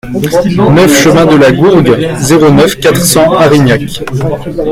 neuf chemin de la Gourgue, zéro neuf, quatre cents Arignac